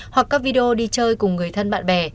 hoặc các video đi chơi cùng người thân bạn bè